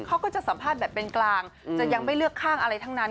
เขาก็จะสัมภาษณ์แบบเป็นกลางจะยังไม่เลือกข้างอะไรทั้งนั้น